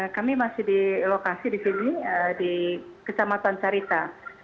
kami masih di lokasi di sini di kecamatan carita